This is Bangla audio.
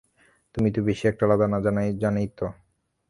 তুমি তো বেশি একটা আলাদা না, জানোইতো?